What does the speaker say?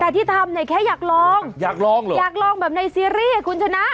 แต่ที่ทำเนี่ยแค่อยากลองอยากลองเหรออยากลองแบบในซีรีส์คุณชนะ